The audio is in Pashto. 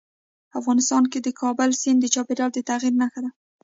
افغانستان کې د کابل سیند د چاپېریال د تغیر نښه ده.